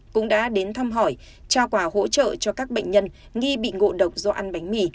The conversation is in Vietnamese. cũng đã đến thăm hỏi trao quà hỗ trợ cho các bệnh nhân nghi bị ngộ độc do ăn bánh mì